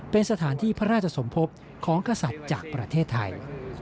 เป็นสถานที่พระราชสมภพของกษัตริย์จากประเทศไทย